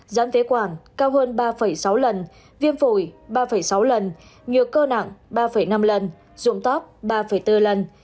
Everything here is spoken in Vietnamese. giám phế quản cao hơn ba sáu lần viêm phủi ba sáu lần nhược cơ nặng ba năm lần dụng tóc ba bốn lần